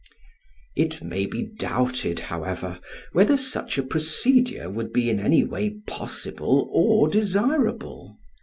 It may be doubted, however, whether such a procedure would be in any way possible or desirable.